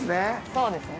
そうですね。